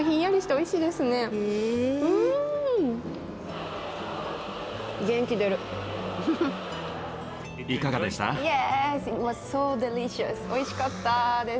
おいしかったです。